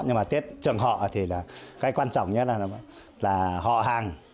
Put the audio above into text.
nhưng mà tết trường họ thì là cái quan trọng nhất là họ hàng